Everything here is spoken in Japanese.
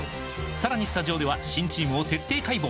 さらにスタジオでは新チームを徹底解剖！